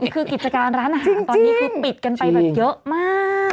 คือกิจการร้านอาหารตอนนี้คือปิดกันไปแบบเยอะมาก